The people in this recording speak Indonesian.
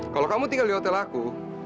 kalau kamu tinggal di hotel aku